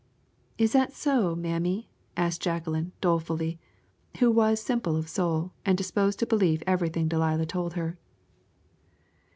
"Is that so, mammy?" asked Jacqueline, dolefully, who was simple of soul, and disposed to believe everything Delilah told her.